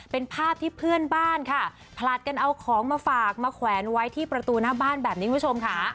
เป็นภาพที่เพื่อนบ้านค่ะผลัดกันเอาของมาฝากมาแขวนไว้ที่ประตูหน้าบ้านแบบนี้คุณผู้ชมค่ะ